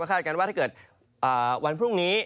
คาดการณ์ว่าถ้าเกิดวันพรุ่งนี้